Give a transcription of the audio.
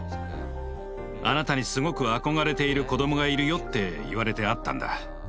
「あなたにすごく憧れている子供がいるよ」って言われて会ったんだ。